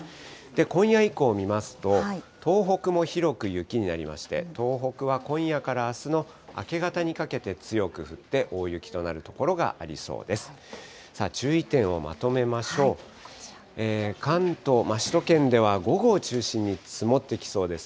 今夜以降を見ますと、東北も広く雪になりまして、東北は今夜からあすの明け方にかけて強く降って、大雪となる所がありそうです。